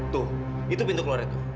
tuh itu pintu keluarnya tuh